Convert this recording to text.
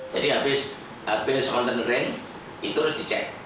jadi habis konten ring itu harus dicek